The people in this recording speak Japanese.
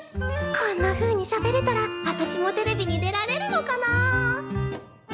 こんなふうにしゃべれたらわたしもテレビに出られるのかな？